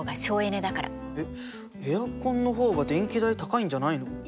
エアコンの方が電気代高いんじゃないの？